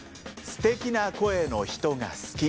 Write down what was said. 「すてきな声の人が好き」。